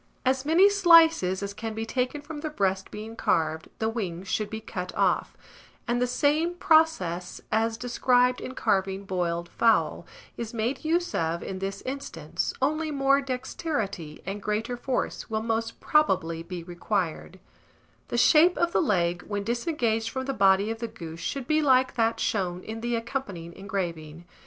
As many slices as can be taken from the breast being carved, the wings should be cut off; and the same process as described in carving boiled fowl, is made use of in this instance, only more dexterity and greater force will most probably be required: the shape of the leg, when disengaged from the body of the goose, should be like that shown in the accompanying engraving.